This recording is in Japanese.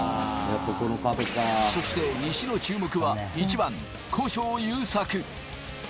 そして西の注目は１番・古性優作。